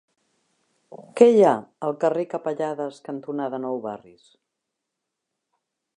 Què hi ha al carrer Capellades cantonada Nou Barris?